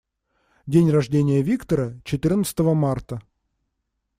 День рождения Виктора - четырнадцатого марта.